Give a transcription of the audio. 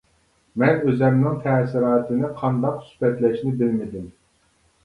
مەن ئۆزۈمنىڭ تەسىراتىنى قانداق سۈپەتلەشنى بىلمىدىم.